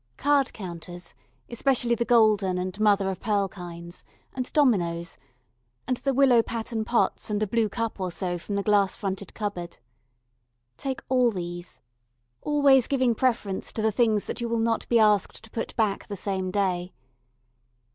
Card counters, especially the golden and mother of pearl kinds, and dominoes, and the willow pattern pots and a blue cup or so from the glass fronted cupboard. Take all these, always giving preference to the things that you will not be asked to put back the same day.